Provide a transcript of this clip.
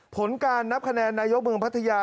ผลการนับคะแนนนายกเมืองพัทยา